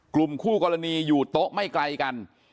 กลุ่มคู่กรณีอยู่โต๊ะไม่ไกลกัน